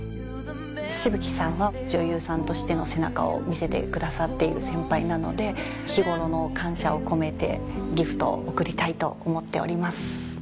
紫吹さんは女優さんとしての背中を見せてくださっている先輩なので日頃の感謝を込めてギフトを贈りたいと思っております。